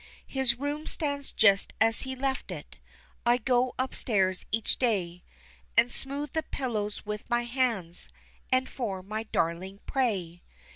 His room stands just as he left it I go upstairs each day And smooth the pillows with my hands, and for my darling pray.